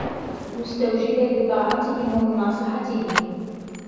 مُسْتَوْجِبًا لِطَاعَتِهِمْ وَمُنَاصَحَتِهِمْ